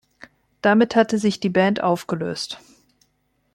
Damit hatte sich die Band aufgelöst.